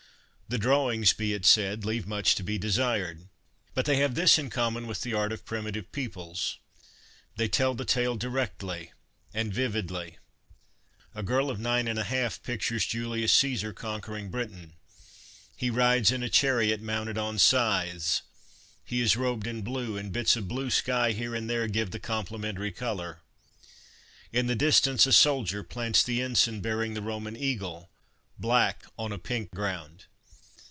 The drawings, be it said, leave much to be desired, but they have this in common with the art of primitive peoples : they tell the tale directly and vividly. A girl of nine and a half pictures Julius Caesar conquering Britain. lie rides in a chariot mounted on scythes, he is robed LESSONS AS INSTRUMENTS OF EDUCATION 293 in blue, and bits of blue sky here and there give the complementary colour. In the distance, a soldier plants the ensign bearing the Roman eagle, black on a pink ground